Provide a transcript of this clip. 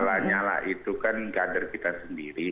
lanya lah itu kan kader kita sendiri